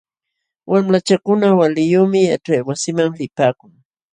Wamlachakuna waliyuqmi yaćhaywasiman lipaakun.